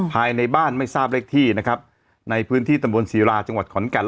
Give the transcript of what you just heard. ภายในบ้านไม่ทราบเลขที่นะครับในพื้นที่ตำบลศิราจังหวัดขอนแก่น